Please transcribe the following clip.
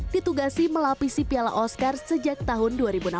ditugasi melapisi piala oscar sejak tahun dua ribu enam belas